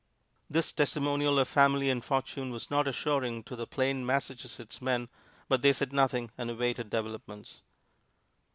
This testimonial of family and fortune was not assuring to the plain Massachusetts men, but they said nothing and awaited developments.